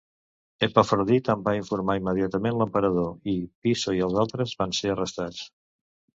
Epafrodit en va informar immediatament l'emperador i, Piso i els altres van ser arrestats.